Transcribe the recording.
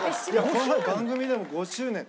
この前番組でも５周年。